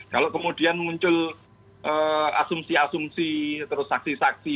kalau kemudian muncul asumsi asumsi terus saksi saksi